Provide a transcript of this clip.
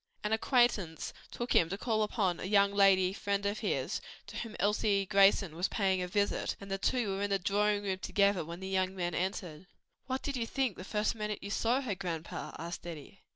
An acquaintance took him to call upon a young lady friend of his, to whom Elsie Grayson was paying a visit, and the two were in the drawing room together when the young men entered. "What did you think the first minute you saw her, grandpa?" asked Eddie.